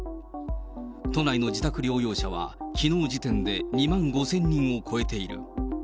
都内の自宅療養者はきのう時点で２万５０００人を超えている。